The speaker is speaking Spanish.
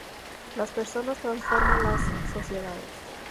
Las personas transforman las sociedades.